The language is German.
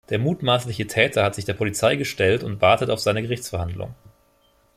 Der mutmaßliche Täter hat sich der Polizei gestellt und wartet auf seine Gerichtsverhandlung.